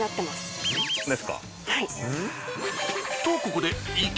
とここで。